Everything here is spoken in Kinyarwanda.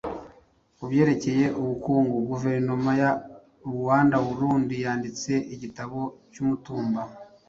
Ku byerekeye ubukungu, Guverinoma ya Ruanda-Urundi yanditse igitabo cy'umutumba